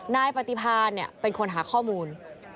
นายปฏิพานเป็นคนหาข้อมูล